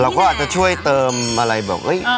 เราก็อาจจะช่วยเติมอะไรแบบ